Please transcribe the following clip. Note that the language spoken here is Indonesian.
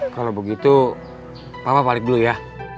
kalau begitu papa balik dulu ya